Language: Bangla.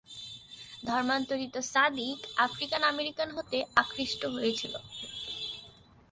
ধর্মান্তরিত সাদিক আফ্রিকান আমেরিকান হতে আকৃষ্ট হয়েছিল।